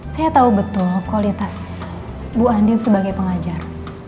saya tahu betul kualitas bu andi sebagai pengajar